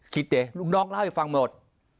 ดิลูกน้องเล่าให้ฟังหมด